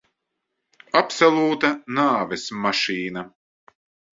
Absolūta nāves mašīna.